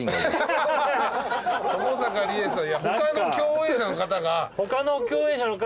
いや他の共演者の方が。